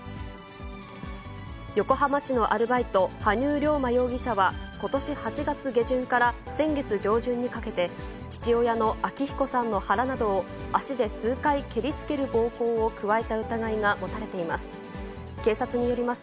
横浜のアルバイト、羽生竜馬容疑者はことし８月下旬から先月上旬にかけて、父親の昭彦さんの腹などを足で数回蹴りつける暴行を加えた疑いが持たれています。